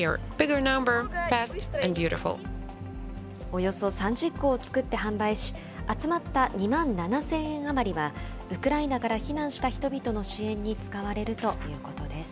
およそ３０個を作って販売し、集まった２万７０００円余りは、ウクライナから避難した人々の支援に使われるということです。